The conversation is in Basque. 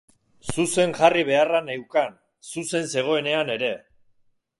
Zuzen jarri beharra neukan, zuzen zegoenean ere.